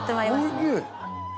おいしい。